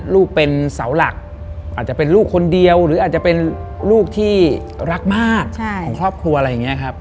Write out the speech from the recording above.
ลูกเป็นเสาหลักอาจจะเป็นลูกคนเดียวหรืออาจจะเป็นลูกที่รักมากของครอบครัวอะไรอย่างนี้ครับ